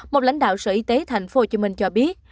một lãnh đạo sở y tế tp hcm cho biết